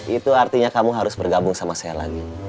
itu artinya kamu harus bergabung sama saya lagi